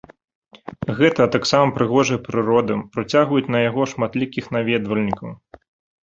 Гэта, а таксама прыгожая прырода, прыцягваюць на яго шматлікіх наведвальнікаў.